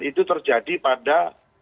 itu terjadi pada